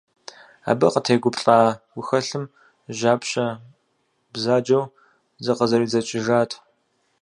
Абы къытегуплӏа гухэлъым жьапщэ бзаджэу зыкъызэридзэкӏыжат.